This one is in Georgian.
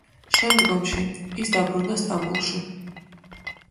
შემდგომში, ის დაბრუნდა სტამბოლში.